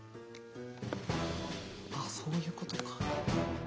あっそういうことか。